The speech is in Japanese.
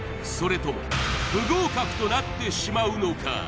それとも不合格となってしまうのか